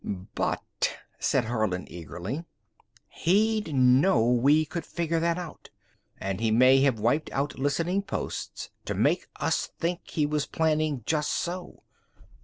"But," said Harlin eagerly. "He'd know we could figure that out. And he may have wiped out listening posts to make us think he was planning just so.